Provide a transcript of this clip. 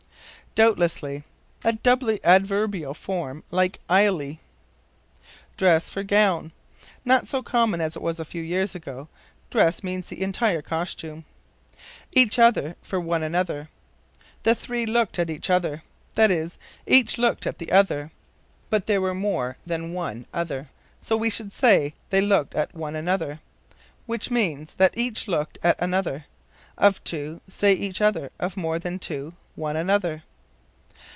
Doubtlessly. A doubly adverbial form, like "illy." Dress for Gown. Not so common as it was a few years ago. Dress means the entire costume. Each Other for One Another. "The three looked at each other." That is, each looked at the other. But there were more than one other; so we should say they looked at one another, which means that each looked at another. Of two, say each other; of more than two, one another.